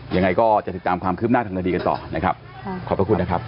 ยังไงก็จะติดตามความคืบหน้าทางคดีกันต่อนะครับขอบพระคุณนะครับ